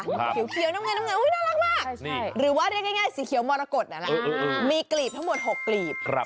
เขียวน้ำเงินน้ำเงินน่ารักมากหรือว่าเรียกง่ายสีเขียวมรกฏมีกลีบทั้งหมด๖กลีบ